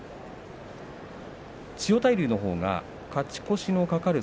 千代大龍のほうは勝ち越しの懸かる